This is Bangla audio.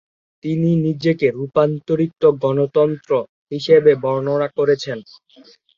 তিনি নিজেকে "রূপান্তরিত গণতন্ত্র" হিসাবে বর্ণনা করেছেন।